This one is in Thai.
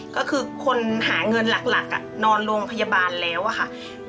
ก็คือคนหาเงินหลักนอนโรงพยาบาลแล้วอะค่ะ